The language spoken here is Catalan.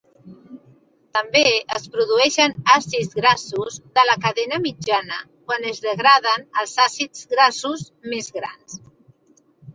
També es produeixen àcids grassos de la cadena mitjana quan es degraden els àcids grassos més grans.